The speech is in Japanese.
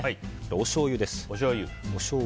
おしょうゆです。